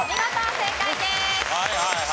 正解です。